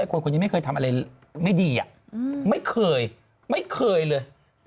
คนคนนี้ไม่เคยทำอะไรไม่ดีไม่เคยไม่เคยเลย